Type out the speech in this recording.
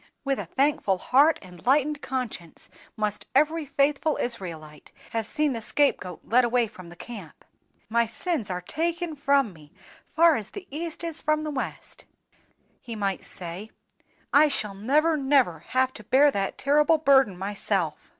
With a thankful heart and lightened conscience must every faithful Israelite have seen the scape goat led away from the camp. 'My sins are taken from me, far as the east is from the west,' he might say, 'I shall never, never have to bear that terrible burden myself.